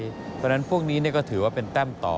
เพราะฉะนั้นพวกนี้ก็ถือว่าเป็นแต้มต่อ